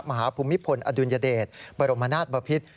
ภูมิพลอดุลยเดชบรมนาศบพิษ